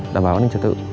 đảm bảo an ninh thật tự